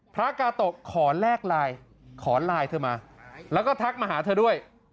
พระกาโตะขอแลกไลน์ขอไลน์เธอมาแล้วก็ทักมาหาเธอด้วย